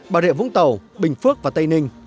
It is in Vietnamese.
bà rịa vũng tàu bình phước và tây ninh